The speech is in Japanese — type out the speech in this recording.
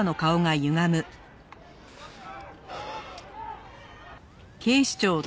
はあ。